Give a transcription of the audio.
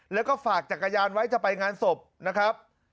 แล้วก็ฝากจักรยานไว้จะไปงานศพนะครับ